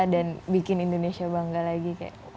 dan bikin indonesia bangga lagi